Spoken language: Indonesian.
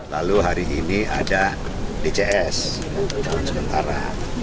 lalu hari ini ada dcs untuk sementara